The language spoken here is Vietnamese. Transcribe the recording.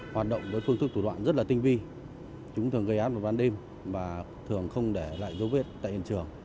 hoạt động với phương thức thủ đoạn rất là tinh vi chúng thường gây án vào ban đêm và thường không để lại dấu vết tại hiện trường